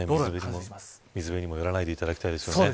水辺にも寄らないでいただきたいですね。